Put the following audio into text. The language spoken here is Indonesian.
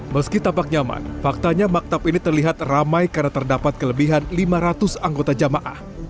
meski tampak nyaman faktanya maktab ini terlihat ramai karena terdapat kelebihan lima ratus anggota jamaah